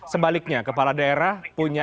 sebaliknya kepala daerah punya